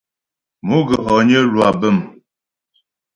Mo ghə̀ hɔgnə lwâ bə̀m.